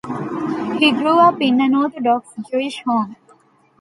He grew up in an Orthodox Jewish home.